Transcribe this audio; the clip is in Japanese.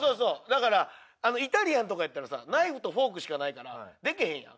だからイタリアンとかやったらさナイフとフォークしかないからできへんやん。